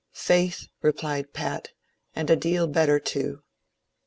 ^^ Faith," replied Pat, ^^ and a deal better too